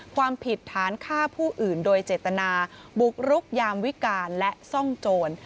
ความผิดฐานฆ่าผู้อื่นโดยเจตนาบุกรุกยามวิการและซ่องโจร